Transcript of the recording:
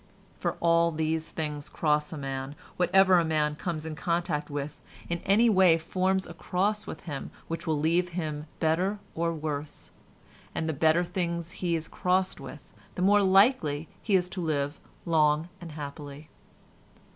For all these things cross a man; whatever a man comes in contact with in any way forms a cross with him which will leave him better or worse, and the better things he is crossed with the more likely he is to live long and happily.